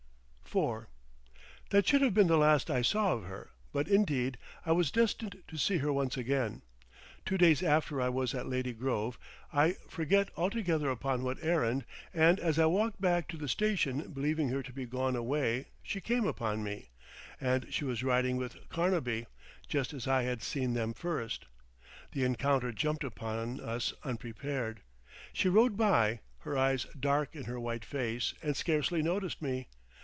IV That should have been the last I saw of her, but, indeed, I was destined to see her once again. Two days after I was at Lady Grove, I forget altogether upon what errand, and as I walked back to the station believing her to be gone away she came upon me, and she was riding with Carnaby, just as I had seen them first. The encounter jumped upon us unprepared. She rode by, her eyes dark in her white face, and scarcely noticed me.